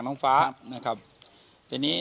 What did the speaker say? ๒๘ลุงพลแม่ตะเคียนเข้าสิงหรือเปล่า